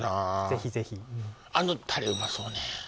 ぜひぜひあのタレうまそうね